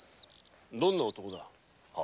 どんな男だ？